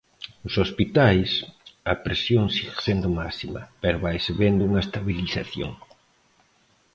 Nos hospitais, a presión segue sendo máxima, pero vaise vendo unha estabilización.